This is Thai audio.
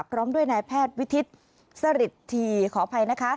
พร้อมด้วยนายแพทย์วิทิศสริทธีขออภัยนะคะ